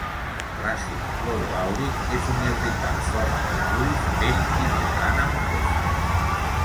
L'àcid cloroàuric és un irritant fort pels ulls, pell i membrana mucosa.